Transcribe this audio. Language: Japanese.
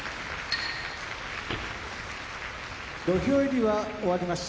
土俵入りは終わりました。